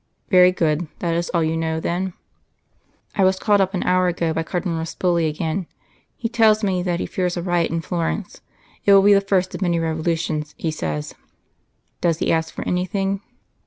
'" "Very good. That is all you know, then?" "'I was called up an hour ago by Cardinal Ruspoli again. He tells me that he fears a riot in Florence; it will be the first of many revolutions, he says.'" "Does he ask for anything?"